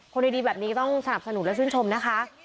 คนดีแบบนี้ต้องสนับสนุนและชื่นชมนะคะ